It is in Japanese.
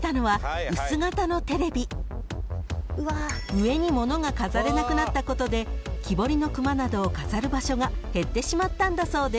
［上に物が飾れなくなったことで木彫りの熊などを飾る場所が減ってしまったんだそうです］